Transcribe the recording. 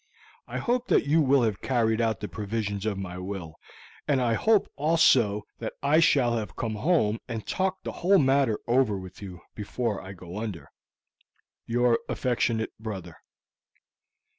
I hope that you will have carried out the provisions of my will, and I hope also that I shall have come home and talked the whole matter over with you before I go under. "Your affectionate brother."